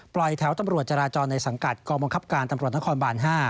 แถวตำรวจจราจรในสังกัดกองบังคับการตำรวจนครบาน๕